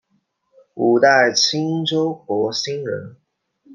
五代青州博兴人。